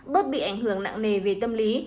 bớt bị ảnh hưởng nặng nề về tâm lý